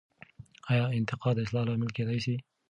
آیا انتقاد د اصلاح لامل کیدای سي؟